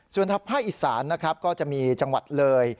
ส่วนทัพภาคอีสานนะครับก็จะมีจังหวัดเลย